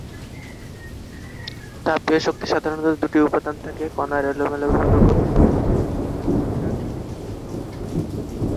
তাপীয় শক্তির সাধারণত দুটি উপাদান থাকে: কণার এলোমেলো গতির জন্য গতিশক্তি এবং তাদের আকৃতির জন্য বিভবশক্তি।